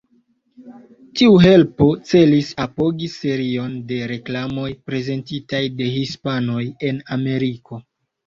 Tiu helpo celis apogi serion de reklamoj prezentitaj de hispanoj en Ameriko.